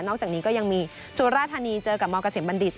อกจากนี้ก็ยังมีสุราธานีเจอกับมเกษมบัณฑิต